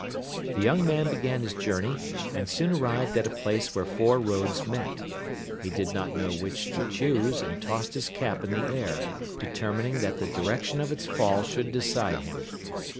The young man began his journey, and soon arrived at a place where four roads met. He did not know which to choose, and tossed his cap in the air, determining that the direction of its fall should decide him.